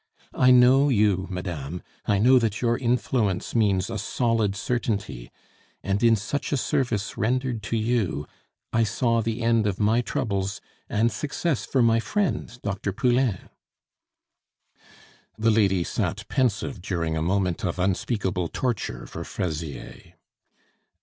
I know you, madame, I know that your influence means a solid certainty; and in such a service rendered to you, I saw the end of my troubles and success for my friend Dr. Poulain." The lady sat pensive during a moment of unspeakable torture for Fraisier.